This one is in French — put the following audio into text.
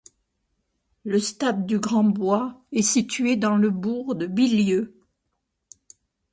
Le stade du Grand bois est situé dans le bourg de Bilieu.